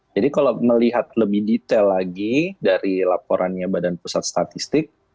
jadi kalau melihat lebih detail lagi dari laporannya badan pusat statistik